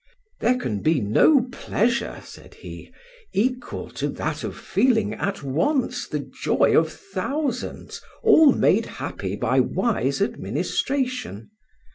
"There can be no pleasure," said he, "equal to that of feeling at once the joy of thousands all made happy by wise administration.